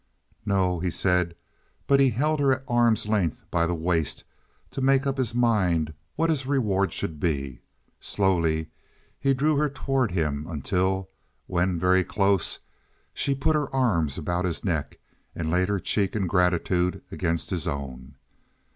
"No," he said, but he held her at arm's length by the waist, to make up his mind what his reward should be. Slowly he drew her toward him until, when very close, she put her arms about his neck, and laid her cheek in gratitude against his own.